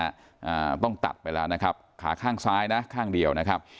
อ่าต้องตัดไปแล้วนะครับขาข้างซ้ายนะข้างเดียวนะครับ